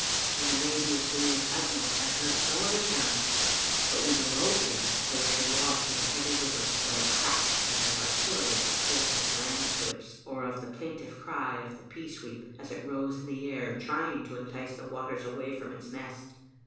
When the rain was doing its utmost, I heard no other sound; but when the lull came, there was the wash of a heavy river, or a crack as of artillery that told of landslips, or the plaintive cry of the pee sweep as it rose in the air, trying to entice the waters away from its nest.